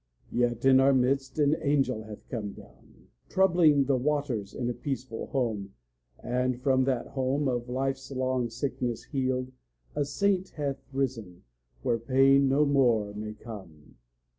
Yet in our midst an angel hath come down, Troubling the waters in a peaceful home; And from that home, of life's long sickness healed, A saint hath risen, where pain no more may come.